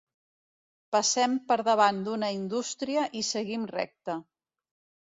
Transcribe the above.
Passem per davant d'una indústria i seguim recte.